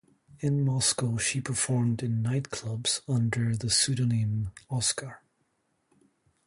In Moscow she performed in night clubs under pseudonym "Oscar".